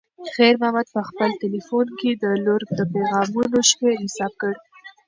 خیر محمد په خپل تلیفون کې د لور د پیغامونو شمېر حساب کړ.